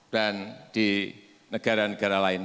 dan di negara negara lain